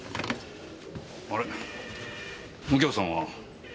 あれ右京さんは？